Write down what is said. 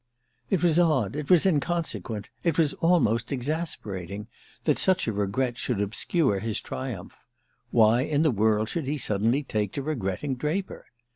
... It was odd, it was inconsequent, it was almost exasperating, that such a regret should obscure his triumph. Why in the world should he suddenly take to regretting Draper?